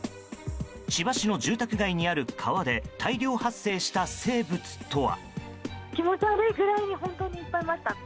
千葉市の住宅街にある川で大量発生した生物とは？